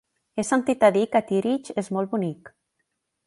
He sentit a dir que Tírig és molt bonic.